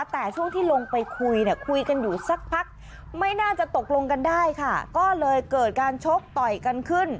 แต่ช่วงที่ลงไปคุยเนี่ยคุยกันอยู่สักพักไม่น่าจะตกลงกันได้ค่ะก็เลยเกิดการชกต่อยกันขึ้น